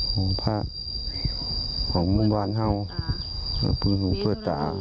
ของพระของมุมบ้านเฮ่าเพื่อพื้นหูเพื่อตา